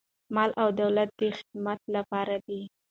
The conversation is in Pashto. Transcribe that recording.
مال او دولت د خدمت لپاره دی.